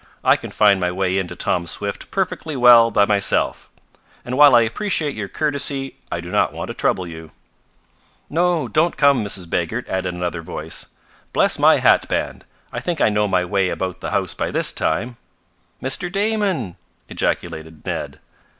I can find my way in to Tom Swift perfectly well by myself, and while I appreciate your courtesy I do not want to trouble you." "No, don't come, Mrs. Baggert," added another voice. "Bless my hat band, I think I know my way about the house by this time!" "Mr. Damon!" ejaculated Ned.